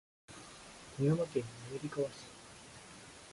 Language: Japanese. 富山県滑川市